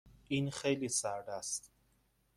این خیلی سرد است.